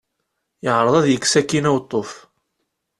Yeɛreḍ ad yekkes akkin aweṭṭuf.